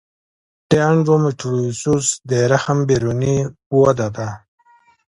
د انډومیټریوسس د رحم بیروني وده ده.